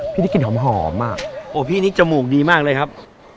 ที่ได้กลิ่นหอมอ่ะโอ้พี่นี้จมูกดีมากเลยครับ